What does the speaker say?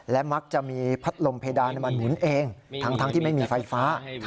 และมักจะมีพัดลมเพดานมาหมุนเองทั้งที่ไม่มีไฟฟ้า